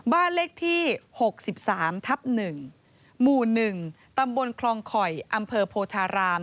บ้านเลขที่๖๓ทับ๑หมู่๑ตำบลคลองคอยอำเภอโพธาราม